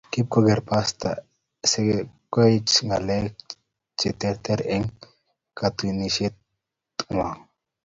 Kipkoker pastor sikekochi ngalek chetareti eng katunisiet nywan.